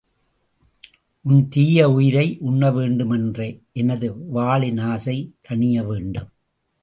உன் தீய உயிரை உண்ணவேண்டுமென்ற எனது வாளின் ஆசை தணியவேண்டும்.